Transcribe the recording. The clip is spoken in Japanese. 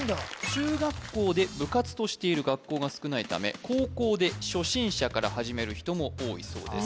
中学校で部活としている学校が少ないため高校で初心者から始める人も多いそうです